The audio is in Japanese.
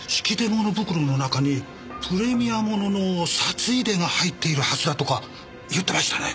物袋の中にプレミア物の札入れが入っているはずだとか言ってましたね。